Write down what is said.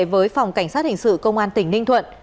với phòng cảnh sát hình sự công an tỉnh ninh thuận